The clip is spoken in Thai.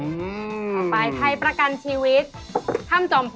ต่อไปไทยประกันชีวิตถ้ำจม